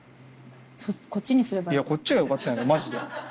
こっちがよかったやんマジで。